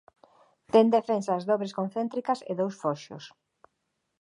Ten defensas dobres concéntricas e dous foxos.